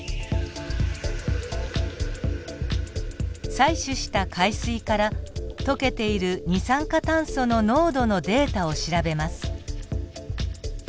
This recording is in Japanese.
採取した海水から溶けている二酸化炭素の濃度のデータを調べます。